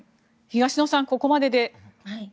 東野さん、ここまでで。